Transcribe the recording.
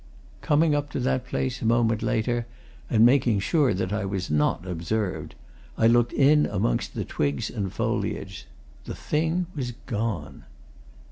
Coming up to that place a moment later, and making sure that I was not observed, I looked in amongst the twigs and foliage. The thing was gone.